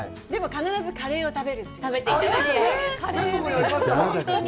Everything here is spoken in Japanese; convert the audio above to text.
でも必ずカレーを食べるって。